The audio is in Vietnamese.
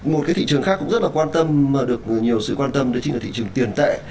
một cái thị trường khác cũng rất là quan tâm mà được nhiều sự quan tâm đấy chính là thị trường tiền tệ